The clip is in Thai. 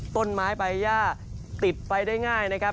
ต้นไม้ใบย่าติดไฟได้ง่ายนะครับ